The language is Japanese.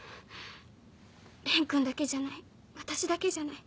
蓮君だけじゃない私だけじゃない。